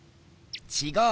ちがうよ！